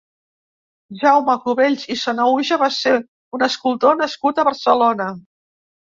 Jaume Cubells i Sanahuja va ser un escultor nascut a Barcelona.